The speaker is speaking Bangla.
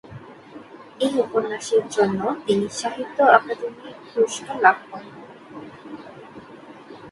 এই উপন্যাসের জন্য তিনি সাহিত্য অকাদেমি পুরস্কার লাভ করেন।